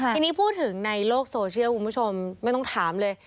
ทีนี้พูดถึงในโลกโซเชียลคุณผู้ชมไม่ต้องถามเลย